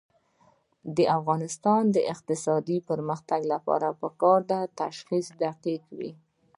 د افغانستان د اقتصادي پرمختګ لپاره پکار ده چې تشخیص دقیق وي.